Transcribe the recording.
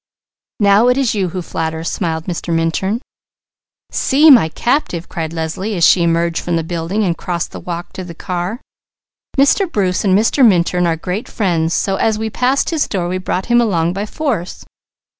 "Now it is you who flatter," smiled Mr. Minturn. "See my captive!" cried Leslie, as she emerged from the building and crossed the walk to the car. "Mr. Bruce and Mr. Minturn are great friends, so as we passed his door we brought him along by force."